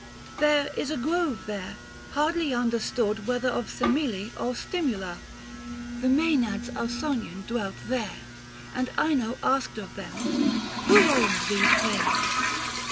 There is a grove there, hardly understood 600 Whether of Semele or Stimula ; The Maenades Ausonian dwelt there, And Ino asked of them, "Who owned those plains?"